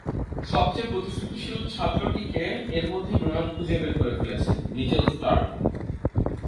সবচেয়ে প্রতিশ্রুতিশীল ছাত্রটিকে এরই মধ্যে ডোনাল্ড খুঁজে বের করে ফেলেছেন—মিচেল স্টার্ক।